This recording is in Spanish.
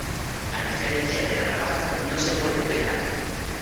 A diferencia de la navaja, no se puede plegar.